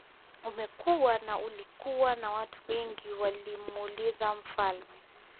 Umekua na ulikuwa na watu wengi walimuuliza mfalme